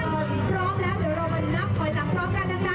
พร้อมแล้วเดี๋ยวรอนับถอยหลังพร้อมกันนะคะ